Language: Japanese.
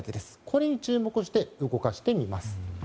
これに注目して動かしてみます。